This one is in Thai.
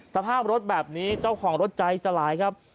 สภาพรถแบบนี้เจ้าของรถใจสลายครับ